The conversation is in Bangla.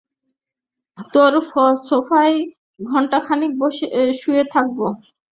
তোর সোফায় ঘণ্টাখানিক শুয়ে থাকব।